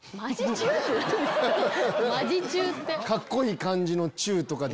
カッコいい感じのチューとか。